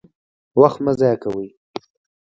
وخت مه ضایع کوئ